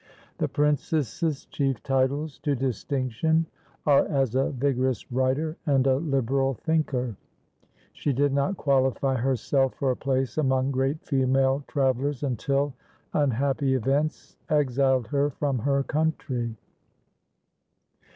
The princess's chief titles to distinction are as a vigorous writer and a liberal thinker; she did not qualify herself for a place among great female travellers until unhappy events exiled her from her country.